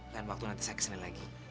lain waktu nanti saya kesini lagi